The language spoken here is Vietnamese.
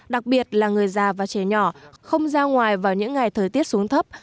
đặc biệt là người già và trẻ nhỏ không ra ngoài vào những ngày thời tiết xuống thấp